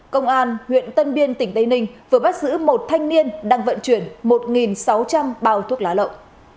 công an huyện tân biên tỉnh tây ninh vừa bắt giữ một thanh niên đang vận chuyển một sáu trăm linh bao thuốc lá lậu